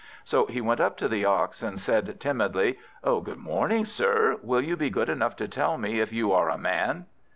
So he went up to the Ox, and said timidly "Good morning, sir. Will you be good enough to tell me if you are a Man?"